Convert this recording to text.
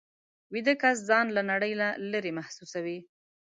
ویده کس ځان له نړۍ نه لېرې محسوسوي